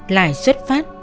lại xuất phát